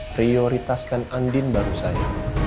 prioritaskan andi baru saya